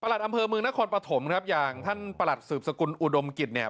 อำเภอเมืองนครปฐมครับอย่างท่านประหลัดสืบสกุลอุดมกิจเนี่ย